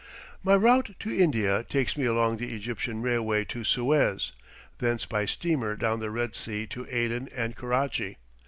My route to India takes me along the Egyptian Railway to Suez, thence by steamer down the Red Sea to Aden and Karachi.